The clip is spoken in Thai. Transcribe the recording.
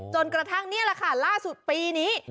จนกระทั่งนี่แหละค่ะล่าสุดปีนี้